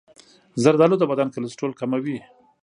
زردآلو د بدن کلسترول کموي.